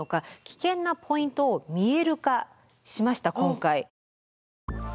危険なポイントを見える化しました今回。